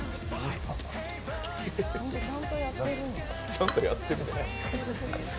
ちゃんとやってるんだ。